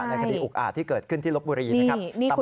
ในคดีอุกอาจที่เกิดขึ้นที่ลบบุรีนะครับ